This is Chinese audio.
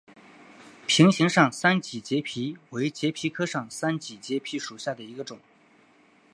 瓶形上三脊节蜱为节蜱科上三脊节蜱属下的一个种。